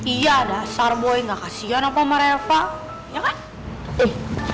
iya dasar boy ga kasihan apa sama reva ya kan